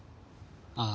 ああ。